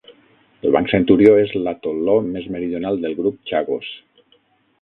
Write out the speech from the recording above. El Banc Centurió és l'atol.ló més meridional del grup Chagos.